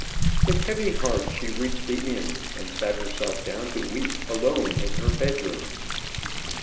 With heavy heart she reached the inn, and sat herself down to weep alone in her bedroom.